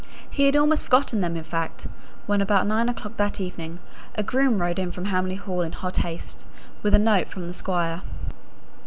He had almost forgotten them, in fact, when about nine o'clock that evening, a groom rode in from Hamley Hall in hot haste, with a note from the Squire.